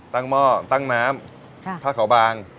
ตั้งหม้อตั้งน้ำผ้าขาวบาง